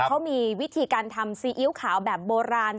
เขามีวิธีการทำซีอิ๊วขาวแบบโบราณ